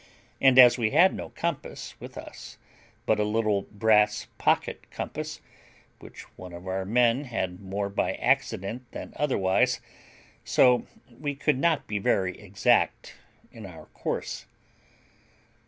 and as we had no compass with us but a little brass pocket compass, which one of our men had more by accident than otherwise, so we could not be very exact in our course.